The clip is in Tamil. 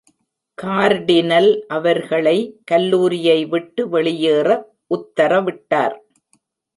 கார்டினல் அவர்களை கல்லூரியை விட்டு வெளியேற உத்தரவிட்டார்.